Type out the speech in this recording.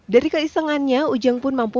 dari keisangannya ujang pun mampu